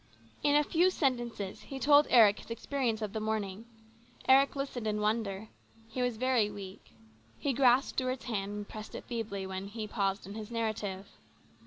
In a few sentences he told Eric his experience of the morning. Eric listened in wonder. He was very weak. He grasped Stuart's hand and pressed it feebly when he paused in his narrative.